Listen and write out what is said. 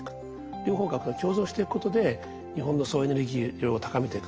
両方が共存していくことで日本の総エネルギー量を高めていくと。